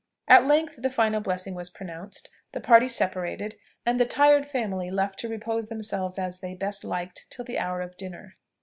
At length, the final blessing was pronounced, the party separated, and the tired family left to repose themselves as they best liked till the hour of dinner.